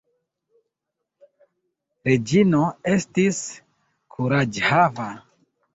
Reĝino estis kuraĝhava.